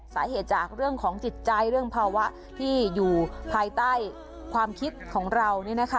สาเหตุจากเรื่องของจิตใจเรื่องภาวะที่อยู่ภายใต้ความคิดของเรา